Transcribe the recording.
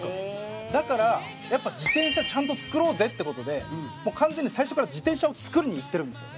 だから、やっぱ、自転車ちゃんと作ろうぜって事で完全に最初から自転車を作りにいってるんですよね。